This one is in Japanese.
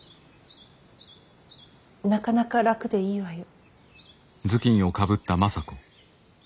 なかなか楽でいいわよ。